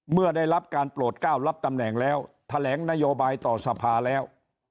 เมื่อได้รับการโปรดก้าวรับตำแหน่งแล้วแถลงนโยบายต่อสภาแล้ว